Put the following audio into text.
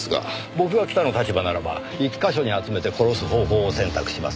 僕が北の立場ならば１カ所に集めて殺す方法を選択します。